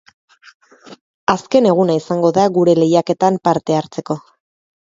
Azken eguna izango da gure lehiaketan parte hartzeko.